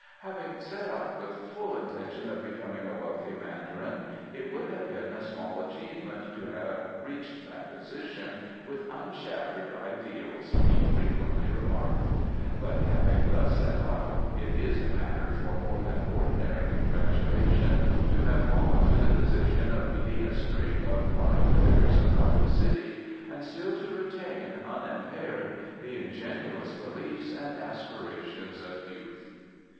"Having set out with the full intention of becoming a wealthy mandarin, it would have been a small achievement to have reached that position with unshattered ideals," he frequently remarked; "but having thus set out it is a matter for more than ordinary congratulation to have fallen to the position of leading a string of blind beggars about the city and still to retain unimpaired the ingenuous beliefs and aspirations of youth."